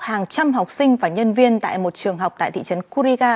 hàng trăm học sinh và nhân viên tại một trường học tại thị trấn kuriga